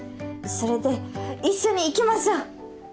それで一緒に行きましょう。